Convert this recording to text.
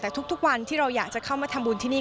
แต่ทุกวันที่เราอยากจะเข้ามาทำบุญที่นี่